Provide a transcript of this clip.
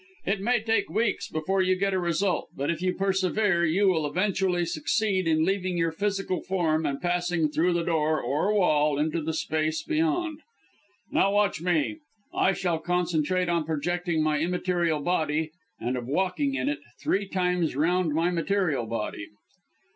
It may take weeks before you get a result, but if you persevere, you will eventually succeed in leaving your physical form and passing through the door, or wall, into the space beyond. Now watch me! I shall concentrate on projecting my immaterial body, and of walking in it, three times round my material body."